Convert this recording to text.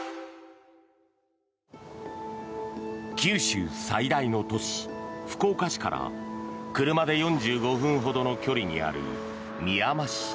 九州最大の都市、福岡市から車で４５分ほどの距離にあるみやま市。